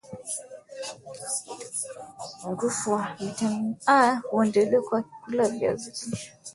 utapiamlo na upungufu wa vitamini A huondolewa kwa kula viazi lishe